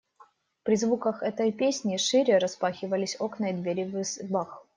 При звуках этой песни шире распахивались окна и двери в избах.